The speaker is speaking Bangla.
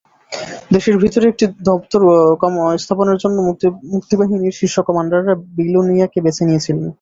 দেশের ভেতরে একটি দপ্তর স্থাপনের জন্য মুক্তিবাহিনীর শীর্ষ কমান্ডাররা বিলোনিয়াকে বেছে নিয়েছিলেন।